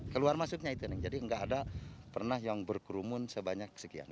keluar masuknya itu jadi tidak ada yang pernah berkerumun sebanyak sekian